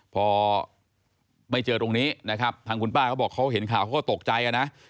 พอไม่เจอตรงนี้นะครับทางคุณป้าเขาบอกเขาเห็นข่าวเขาก็ตกใจนะ